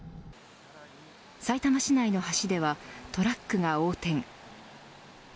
さいたま市内の橋ではトラックが横転。